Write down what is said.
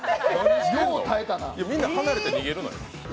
みんな離れて逃げるのよ。